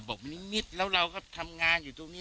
บอกมันนิมิตรแล้วเราก็ทำงานอยู่ตรงนี้